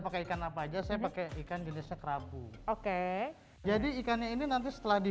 pakai ikan apa aja saya pakai ikan jenisnya kerapu oke jadi ikannya ini nanti setelah di